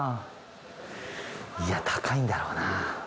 いや高いんだろうな。